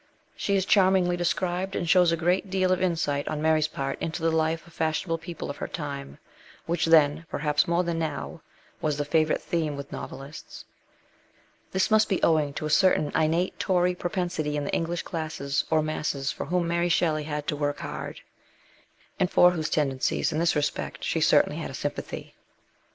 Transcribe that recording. She is charmingly described, and shows a great deal of insight on Mary's part into the life of fashionable people of her time, which then, perhaps more than now, was the favourite theme with novelists. This must be owing to a certain innate Tory propensity in the English classes or masses for whom Mary Shelley had to work hard, and for whose tendencies in this respect she certainly had a sympathy.